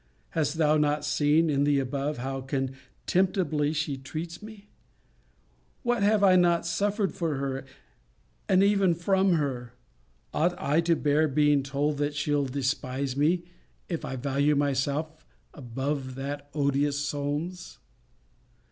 Hast thou not seen, in the above, how contemptibly she treats me? What have I not suffered for her, and even from her! Ought I to bear being told, that she will despise me, if I value myself above that odious Solmes?